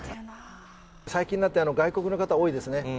最近になって、外国の方、多いですね。